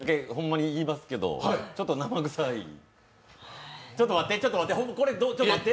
僕ちょっと、ほんまに言いますけど、ちょっと生臭いちょっと待って、ちょっと待って。